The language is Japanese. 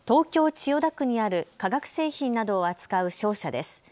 千代田区にある化学製品などを扱う商社です。